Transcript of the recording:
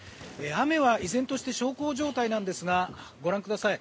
雨は依然として小康状態なんですがご覧ください